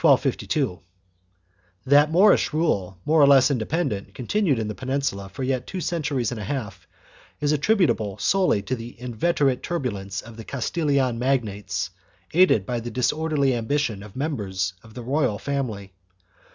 3 That Moorish rule, more or less independent, continued in the Peninsula for yet two centuries and a half, is attributable solely to the inveterate turbulence of the Castilian magnates aided by the disorderly ambition of members of the royal family.